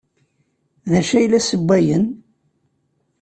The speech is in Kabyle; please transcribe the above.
D acu ay la ssewwayen?